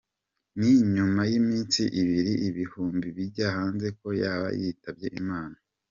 Ni nyuma y’iminsi ibiri ibihuha bijya hanze ko yaba yitabye Imana,.